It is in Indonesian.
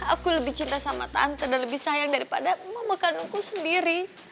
aku lebih cinta sama tante dan lebih sayang daripada memekanku sendiri